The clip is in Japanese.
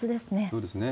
そうですね。